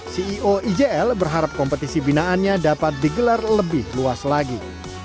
ceo ijl berharap kompetisi binaannya dapat digelar lebih luas lagi